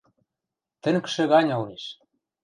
Тӹнгшӹ гань ылеш.